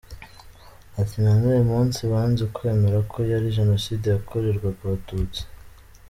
Ati: “Na n’uyu munsi, banze kwemera ko yari jenoside yakorerwaga Abatutsi.